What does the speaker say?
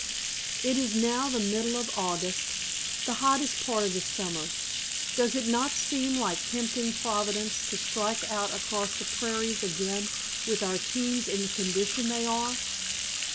It is now the middle of August—the hottest part of the summer—does it not seem like tempting Providence to strike out across the prairies again with our teams in the condition they are?"